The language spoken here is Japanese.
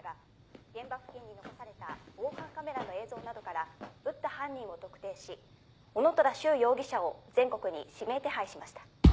現場付近に残された防犯カメラの映像などから撃った犯人を特定し男虎柊容疑者を全国に指名手配しました。